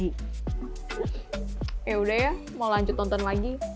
yaudah ya mau lanjut nonton lagi